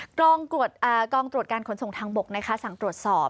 กล้องกรวดอ่ากล้องตรวจการขนส่งทางบกนะคะสั่งตรวจสอบ